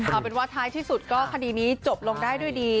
เอาเป็นว่าท้ายที่สุดก็คดีนี้จบลงได้ด้วยดี